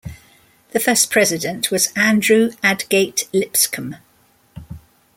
The first president was Andrew Adgate Lipscomb.